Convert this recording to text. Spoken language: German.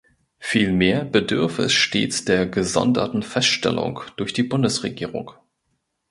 Vielmehr bedürfe es stets der gesonderten Feststellung durch die Bundesregierung.